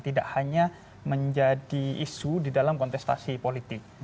tidak hanya menjadi isu di dalam kontestasi politik